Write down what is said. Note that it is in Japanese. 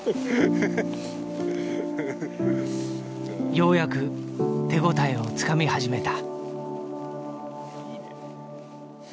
ようやく手応えをつかみ始めた。